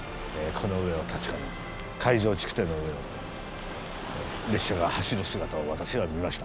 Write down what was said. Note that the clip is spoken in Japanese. この上を確かに海上築堤の上を列車が走る姿を私は見ました。